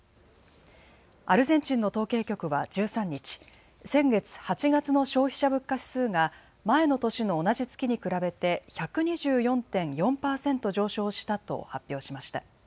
アルゼンチンの統計局は１３日、先月８月の消費者物価指数が前の年の同じ月に比べて１２４．４％上昇したと発表しました。